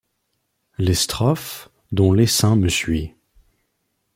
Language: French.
Les strophes dont l'essaim me suit.